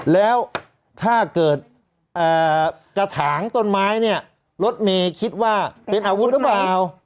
แล้วถ้าเกิดกระถางต้นไม้เนี่ยรถเมย์คิดว่าเป็นอาวุธหรือเปล่า